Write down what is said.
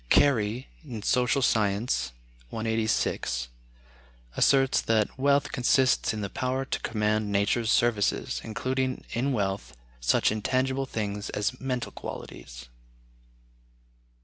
Carey ("Social Science," i, 186) asserts that wealth consists in the power to command Nature's services, including in wealth such intangible things as mental qualities.